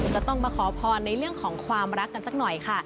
จะต้องมาขอพรในเรื่องของความรักกันสักหน่อยค่ะ